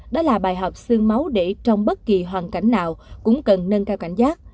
đó là bài học sương máu để trong bất kỳ hoàn cảnh nào cũng cần nâng cao cảnh giác